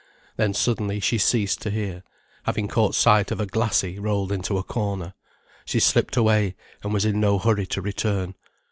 Then suddenly she ceased to hear, having caught sight of a glassie rolled into a corner. She slipped away, and was in no hurry to return.